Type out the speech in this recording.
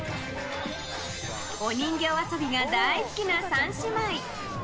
お人形遊びが大好きな３姉妹。